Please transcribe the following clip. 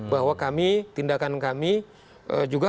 bahwa kami tindakan kami juga